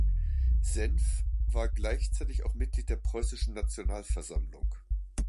Senff war gleichzeitig auch Mitglied der Preußischen Nationalversammlung.